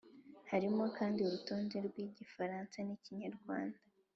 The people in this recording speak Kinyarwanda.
Harimo kandi urutonde rw’igifaransa n’ikinyarwanda